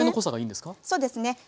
そうですね。